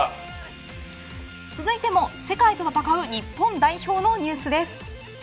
続いても、世界と戦う日本代表のニュースです。